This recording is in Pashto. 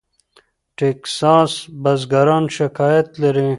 ټیکساس بزګران شکایت لري.